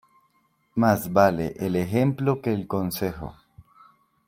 Más vale el ejemplo que el consejo.